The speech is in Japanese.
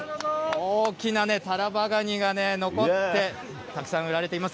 大きなタラバガニが残って、たくさん売られています。